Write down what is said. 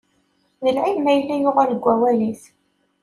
D lɛib ma yella yuɣal deg wawalis.